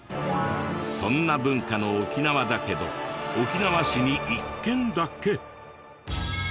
そんな文化の沖縄だけど沖縄市に一軒だけ。